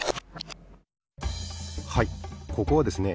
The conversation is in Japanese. はいここはですね